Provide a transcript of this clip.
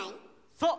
そう！